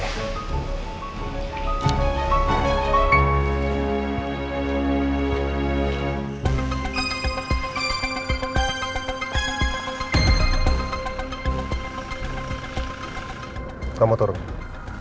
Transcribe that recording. sampai jumpa di video selanjutnya